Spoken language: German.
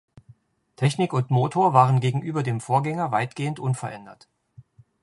Technik und Motor waren gegenüber dem Vorgänger weitgehend unverändert.